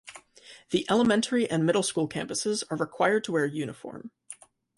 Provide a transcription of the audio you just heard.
The elementay and middle school campuses are required to wear uniform.